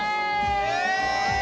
え！